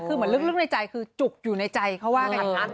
คือเหมือนลึกในใจคือจุกอยู่ในใจเพราะว่า